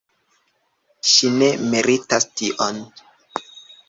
Ŝi ne meritas tion.